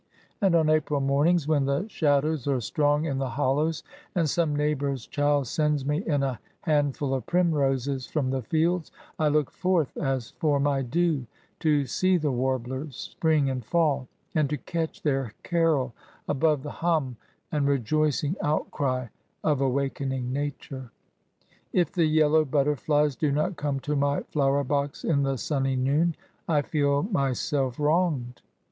And on April mornings, when the shadows are strong in the hollows, and some neighbour's child sends me in a handful of primroses from the fields, I look forth, as for my due, to see the warblers spring and fall, and to catch their carol above the hum and rejoicing outcry of awakening Nature. If the yellow butterflies do not come to my flower r box in the sunny noon, I feel myself wronged.